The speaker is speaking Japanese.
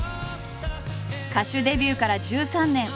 歌手デビューから１３年。